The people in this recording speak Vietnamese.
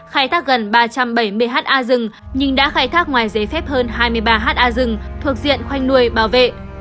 khai thác gần ba trăm bảy mươi ha rừng nhưng đã khai thác ngoài giấy phép hơn hai mươi ba ha rừng thuộc diện khoanh nuôi bảo vệ